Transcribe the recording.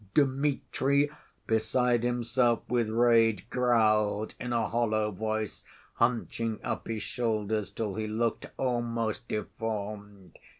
Dmitri, beside himself with rage, growled in a hollow voice, hunching up his shoulders till he looked almost deformed.